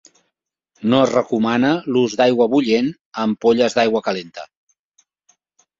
No es recomana l'ús d'aigua bullent a ampolles d'aigua calenta.